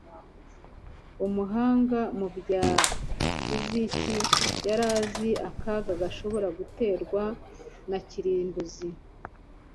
umuhanga mu bya fiziki yari azi akaga gashobora guterwa na kirimbuzi